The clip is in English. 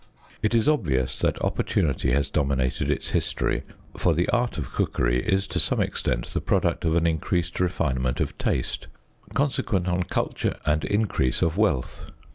It is obvious that opportunity has dominated its history, for the art of cookery is to some extent the product of an increased refinement of taste, consequent on culture and increase of wealth.